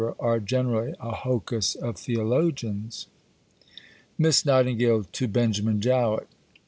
are generally a hocus of Theologians. (_Miss Nightingale to Benjamin Jowett.